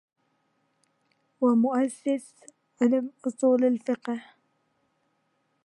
ومؤسس علم أصول الفقه